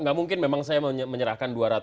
nggak mungkin memang saya menyerahkan